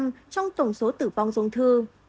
các tổng số tử vong dùng thư